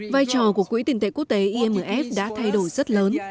vai trò của quỹ tiền tệ quốc tế imf đã thay đổi rất lớn